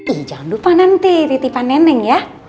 ih jangan lupa nanti titipan neneng ya